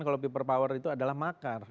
kalau people power itu adalah makar